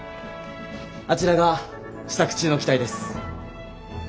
あちらが試作中の機体です。